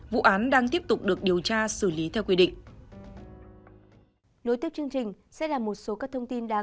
vụ án đang tiếp tục được điều tra xử lý theo quy định